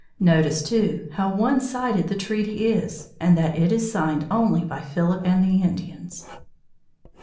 Notice, too, how one sided the treaty is, and that it is signed only by Philip and the Indians.